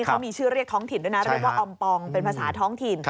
เขามีชื่อเรียกท้องถิ่นด้วยนะเรียกว่าออมปองเป็นภาษาท้องถิ่น